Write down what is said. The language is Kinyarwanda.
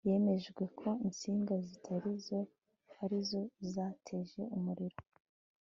hemejwe ko insinga zitari zo ari zo zateje umuriro